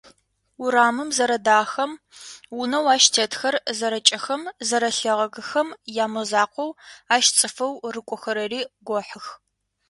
Урамыр зэрэдахэм, унэу ащ тетхэр зэрэкӏэхэм, зэрэлъагэхэм ямызакъоу, ащ цӏыфэу рыкӏохэрэри гохьых.